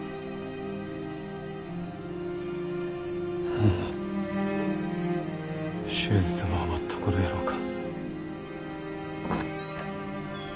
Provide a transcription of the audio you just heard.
もう手術は終わった頃やろうか。